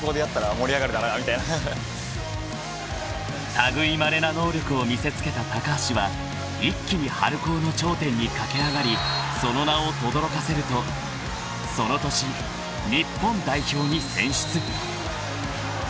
［類いまれな能力を見せつけた橋は一気に春高の頂点に駆け上がりその名をとどろかせるとその年日本代表に選出］